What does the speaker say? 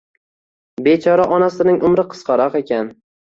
Bechora onasining umri qisqaroq ekan